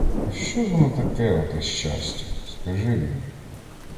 А що воно таке, оте щастя, скажи мені?